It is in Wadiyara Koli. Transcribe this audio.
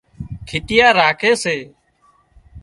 کِٽيا راکي سي